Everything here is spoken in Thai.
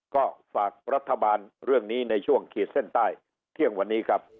ก็ฝากรัฐบาลเรื่องนี้ในช่วงขีดเส้นใต้เที่ยงวันนี้ครับ